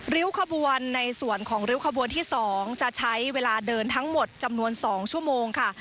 ริ้วขบวนในส่วนของริ้วขบวนที่๒จะใช้เวลาเดินทั้งหมดจำนวน๒ชั่วโมงค่ะ